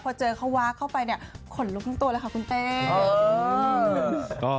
พอเจอเขาวากเข้าไปขนลุกนึงตัวแหละคุณเต้